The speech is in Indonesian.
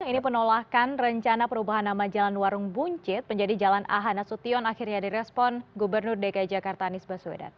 ini penolakan rencana perubahan nama jalan warung buncit menjadi jalan ahanasution akhirnya direspon gubernur dki jakarta anies baswedan